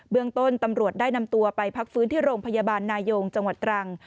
เรื่องต้นตำรวจได้นำตัวไปพักฟื้นที่โรงพยาบาลนายงจังหวัดตรัง